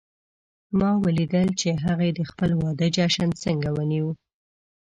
ما ولیدل چې هغې د خپل واده جشن څنګه ونیو